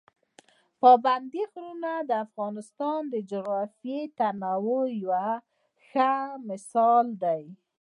پابندي غرونه د افغانستان د جغرافیوي تنوع یو ښه مثال دی.